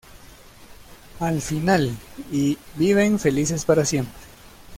Al final y viven felices para siempre